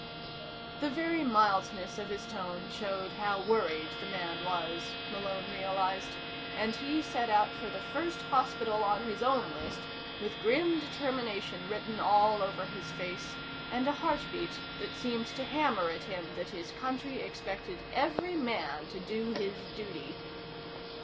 The very mildness of his tone showed how worried the man was, Malone realized, and he set out for the first hospital on his own list with grim determination written all over his face and a heartbeat that seemed to hammer at him that his country expected every man to do his duty.